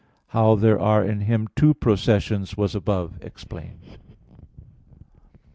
How there are in Him two processions was above explained (Q.